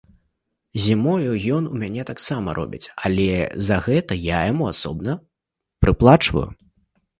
Зімою ён у мяне таксама робіць, але за гэта я яму асобна прыплачваю.